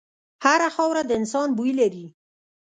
هره خاوره د انسان بوی لري.